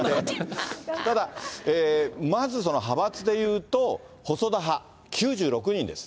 ただ、まずその派閥でいうと、細田派９６人です。